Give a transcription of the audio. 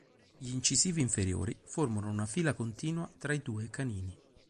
Gli incisivi inferiori formano una fila continua tra i due canini.